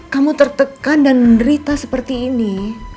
kamu tertekan dan menderita seperti ini